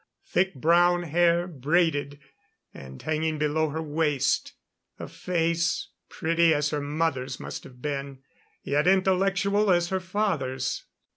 Thick brown hair braided, and hanging below her waist. A face pretty as her mother's must have been yet intellectual as her father's.